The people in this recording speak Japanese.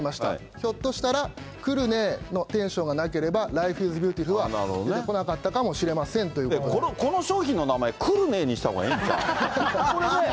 ひょっとしたら、くるねぇーのテンションがなければ、ライフ・イズ・ビューティフルは出てこなかったかもしれませんとこの商品の名前、くるねぇーにしたほうがいいんじゃない？